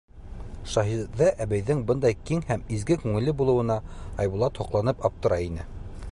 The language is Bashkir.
Шәһиҙә әбейҙең бындай киң һәм изге күңелле булыуына Айбулат һоҡланып аптырай ине.